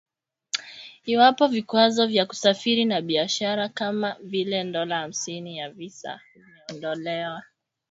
iwapo vikwazo vya kusafiri na biashara kama vile dola hamsini ya visa vimeondolewa